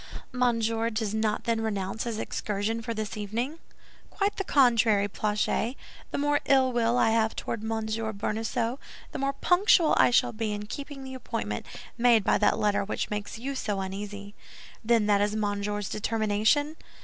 "Monsieur does not then renounce his excursion for this evening?" "Quite the contrary, Planchet; the more ill will I have toward Monsieur Bonacieux, the more punctual I shall be in keeping the appointment made by that letter which makes you so uneasy." "Then that is Monsieur's determination?"